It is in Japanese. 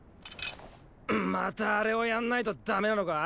またあれをやんないとダメなのか？